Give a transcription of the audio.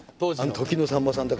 時のさんまさんと。